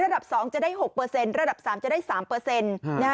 ระดับ๒จะได้๖เปอร์เซ็นต์ระดับ๓จะได้๓เปอร์เซ็นต์